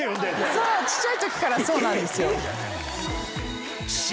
小っちゃい時からそうなんですよ。